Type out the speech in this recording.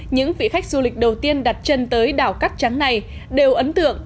những vị khách du lịch đầu tiên đặt chân tới đảo cát trắng này đều ấn tượng